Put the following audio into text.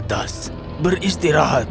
jadi mereka bisa salingpared